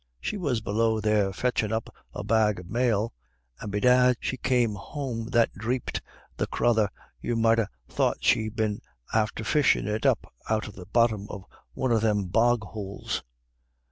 She was below there fetchin' up a bag of male, and bedad she came home that dhreeped, the crathur, you might ha' thought she'd been after fishin' it up out of the botthom of one of thim bog houles."